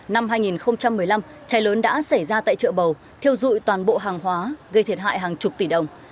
năm hai nghìn một mươi năm cháy lớn đã xảy ra tại chợ bầu thiêu dụi toàn bộ hàng hóa gây thiệt hại hàng chục tỷ đồng